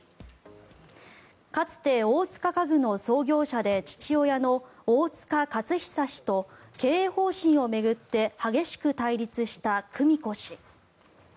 かつて大塚家具の創業者で父親の大塚勝久氏と経営方針を巡って激しく対立した久美子氏。